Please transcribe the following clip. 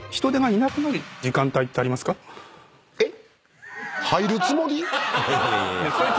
えっ？